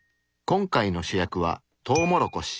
今回の主役はトウモロコシ。